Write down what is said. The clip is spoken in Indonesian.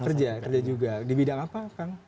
kerja kerja juga di bidang apa kang